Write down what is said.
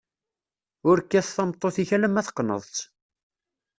Ur kkat tameṭṭut-ik alemma teqneḍ-tt.